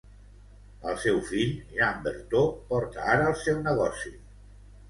El seu fill, Jean Berthaut, porta ara el seu negoci.